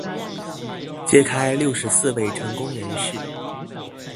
揭開六十四位成功人士